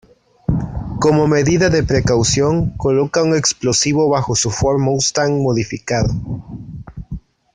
Como medida de precaución, coloca un explosivo bajo su Ford Mustang modificado.